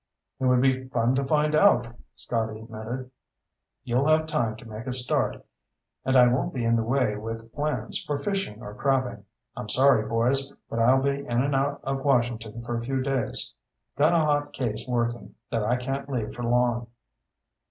"It would be fun to find out," Scotty admitted. "You'll have time to make a start, and I won't be in the way with plans for fishing or crabbing. I'm sorry, boys, but I'll be in and out of Washington for a few days. Got a hot case working that I can't leave for long."